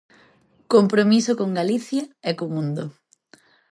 Compromiso con Galicia e co mundo.